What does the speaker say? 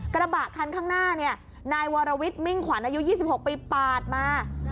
กระบะคันข้างหน้าเนี่ยนายวรวิทย์มิ่งขวัญอายุ๒๖ปีปาดมา